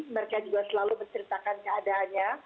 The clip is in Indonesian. mereka juga selalu menceritakan keadaannya